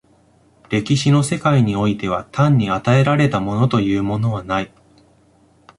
歴史の世界においては単に与えられたものというものはない。